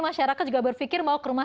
masyarakat juga berpikir mau ke rumah